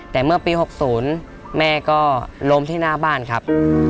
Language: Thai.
แต่เมื่อปี๖๐แม่ก็ล้มที่หน้าบ้านครับ